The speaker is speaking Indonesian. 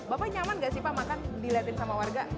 bapak nyaman gak sih pak makan dilihatin sama warga